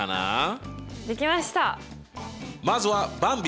まずはばんび！